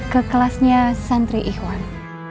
ke kelasnya santri ikhwan